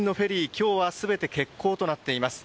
今日は全て欠航となっています。